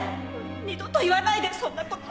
二度と言わないでそんな事。